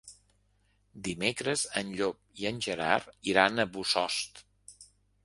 Dimecres en Llop i en Gerard iran a Bossòst.